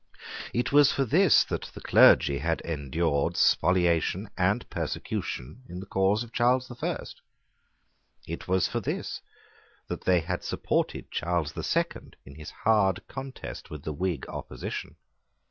It was for this that the clergy had endured spoliation and persecution in the cause of Charles the First. It was for this that they had supported Charles the Second in his hard contest with the Whig opposition.